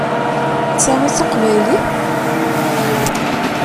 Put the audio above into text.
D ta i d taqbaylit!